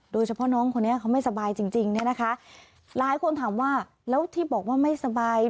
โดยเฉพาะน้องคนนี้เขาไม่สบายจริงจริงเนี่ยนะคะหลายคนถามว่าแล้วที่บอกว่าไม่สบาย